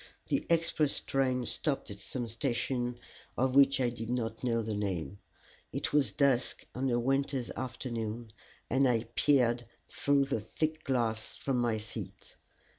The express train stopped at some station of which I did not know the name. It was dusk on a winter's afternoon, and I peered through the thick glass from my seat.